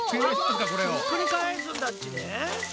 ひっくり返すんだっちね。